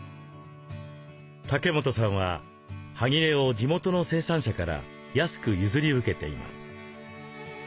竹本さんははぎれを地元の生産者から安く譲り受けています。